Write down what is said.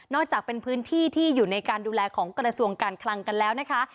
จากเป็นพื้นที่ที่อยู่ในการดูแลของกระทรวงการคลังกันแล้วนะคะ